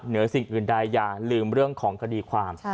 เหนือสิ่งอื่นใดอย่าลืมเรื่องของคดีความ